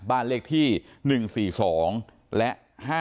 บ้านเลขที่๑๔๒และ๕๗